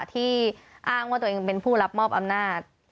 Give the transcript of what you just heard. ที่อ้างว่าตัวเองเป็นผู้รับมอบอำนาจ